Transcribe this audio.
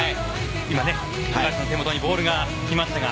今、高橋さんの手元にボールが来ましたが。